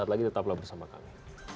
apalagi tetaplah bersama kami